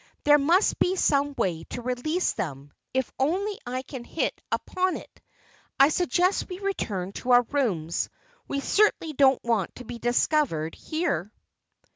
There must be some way to release them, if only I can hit upon it. I suggest we return to our rooms. We certainly don't want to be discovered here."